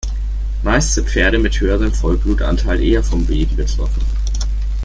Meist sind Pferde mit höherem Vollblut-Anteil eher vom Weben betroffen.